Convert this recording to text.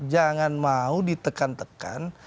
jangan mau ditekan tekan